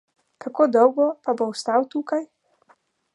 Kako dolgo pa bo ostal tukaj?